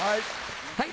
はい。